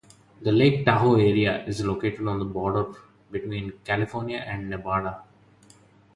The Lake Tahoe area is located on the border between California and Nevada.